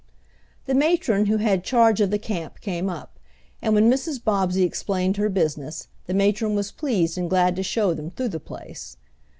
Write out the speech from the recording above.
The matron who had charge of the camp came up, and when Mrs. Bobbsey explained her business, the matron was pleased and glad to show them through the place.